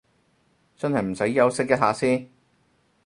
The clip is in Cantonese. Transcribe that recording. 真係唔使休息一下先？